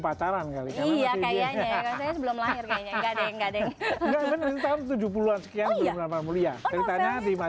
pacaran kali ya kayaknya sebelum lahir kayaknya nggak deng nggak deng tahun tujuh puluh an sekian